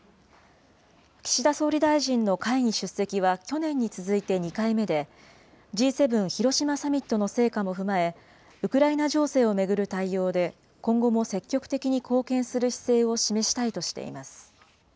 岸田総理大臣の会議出席は去年に続いて２回目で、Ｇ７広島サミットの成果も踏まえ、ウクライナ情勢を巡る対応で今後も積極的に貢献する姿勢を示したいとしています。